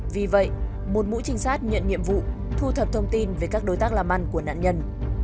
vì vậy một mũi trinh sát nhận nhiệm vụ thu thập thông tin về các đối tác làm ăn của nạn nhân